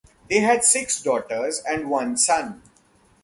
They had six daughters and one son.